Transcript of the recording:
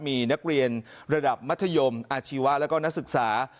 มีนักเรียนระดับมัธยมอาชีวะแล้วก็นักศึกษา